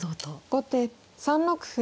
後手３六歩。